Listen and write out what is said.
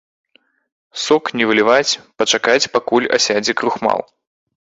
Сок не выліваць, пачакаць пакуль асядзе крухмал.